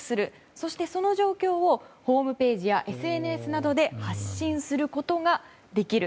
そして、その状況をホームページやＳＮＳなどで発信することができる。